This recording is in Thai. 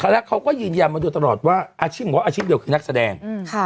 แล้วเขาก็ยืนยำมาดูตลอดว่าอาชิมว่าอาชิมเดียวคือนักแสดง